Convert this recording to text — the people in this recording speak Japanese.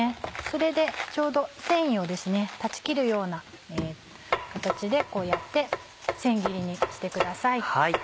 それでちょうど繊維を断ち切るような形でこうやって千切りにしてください。